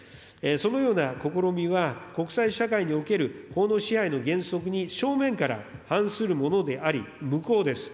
そのような試みは、国際社会における法の支配の原則に正面から反するものであり、無効です。